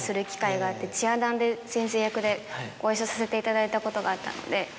『チア☆ダン』で先生役でご一緒させていただいたことがあったので。